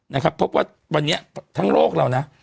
นะครับพบว่าวันนี้ทั้งโลกเรานะ